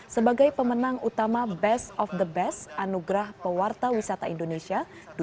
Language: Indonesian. sebagai pemenang utama best of the best anugerah pewarta wisata indonesia dua ribu dua puluh